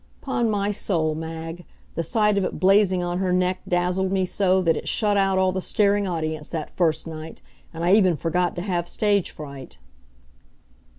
'Pon my soul, Mag, the sight of it blazing on her neck dazzled me so that it shut out all the staring audience that first night, and I even forgot to have stage fright.